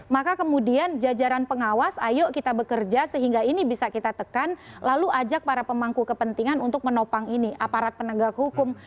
maka kemudian jajaran pengawas ayo kita bekerja sehingga ini bisa kita tekan lalu ajak para pemangku kepentingan untuk menopang ini aparat penegak hukum